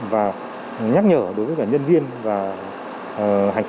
và nhắc nhở đối với cả nhân viên và hành khách